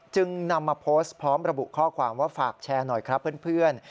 จึงนำมาโพสต์พร้อมระบุข้อความว่าฝากแชร์หน่อยครับเพื่อน